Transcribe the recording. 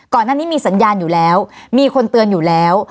ก่อนหน้านี้มีสัญญาณอยู่แล้วมีคนเตือนอยู่แล้ว